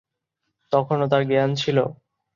তখনো তার জ্ঞান ছিল।